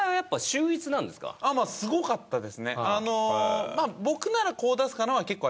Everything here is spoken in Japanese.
すごかったですね。